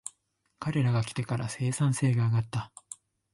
彼らが来てから生産性が上がった